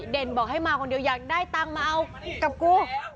บอกให้มาคนเดียวอยากได้ตังค์มาเอากับกู